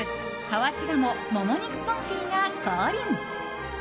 河内鴨もも肉コンフィが降臨。